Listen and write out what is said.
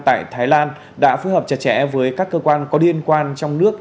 tại thái lan đã phối hợp chặt chẽ với các cơ quan có liên quan trong nước